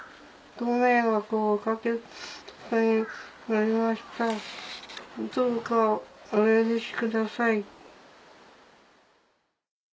どうかお許しください」。